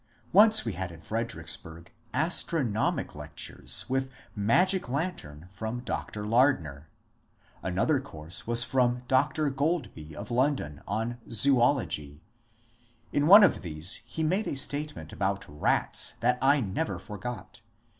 Once we had in Fredericksburg astro nomic lectures with magic lantern from Dr. Lardner. Another course was from Dr. Goadby of London on zoology ; in one of these he made a statement about rats that I never forgot.